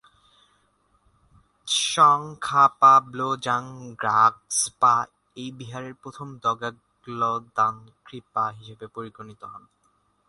ত্সোং-খা-পা-ব্লো-ব্জাং-গ্রাগ্স-পা এই বিহারের প্রথম দ্গা'-ল্দান-খ্রি-পা হিসেবে পরিগণিত হন।